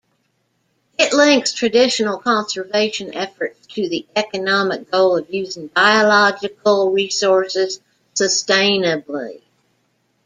It links traditional conservation efforts to the economic goal of using biological resources sustainably.